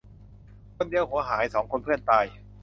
คนเดียวหัวหาย สองคนเพื่อนตาย